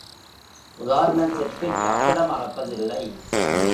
உதாரணத்திற்குச் சாப்பிட மறப்பதில்லை!